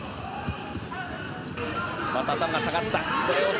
また頭が下がった。